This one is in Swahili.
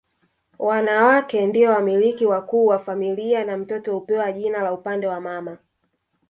Wanawake ndio wamiliki wakuu wa familia na mtoto hupewa jina la upande wa mama